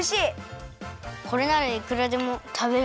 これならいくらでもたべられる。